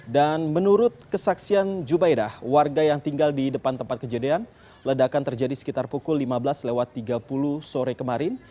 dan menurut kesaksian jubaidah warga yang tinggal di depan tempat kejadian ledakan terjadi sekitar pukul lima belas lewat tiga puluh sore kemarin